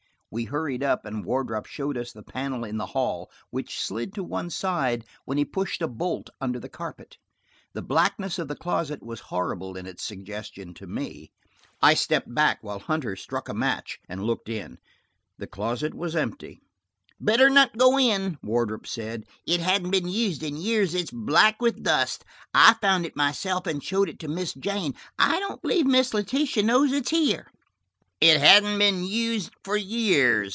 We hurried up and Wardrop showed us the panel in the hall, which slid to one side when he pushed a bolt under the carpet. The blackness of the closet was horrible in its suggestion to me. I stepped back while Hunter struck a match and looked in. The closet was empty. "Better not go in," Wardrop said. "It hasn't been used in years and it's black with dust. I found it myself and showed it to Miss Jane. I don't believe Miss Letitia knows it is here." "It hasn't been used for years!"